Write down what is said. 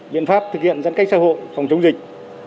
biện pháp thực hiện giãn cách xã hội phòng chống dịch